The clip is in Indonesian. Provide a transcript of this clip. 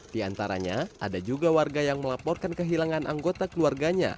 di antaranya ada juga warga yang melaporkan kehilangan anggota keluarganya